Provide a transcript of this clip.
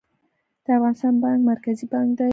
د افغانستان بانک مرکزي بانک دی